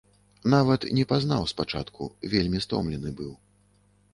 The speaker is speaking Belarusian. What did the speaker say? Нават не пазнаў спачатку, вельмі стомлены быў.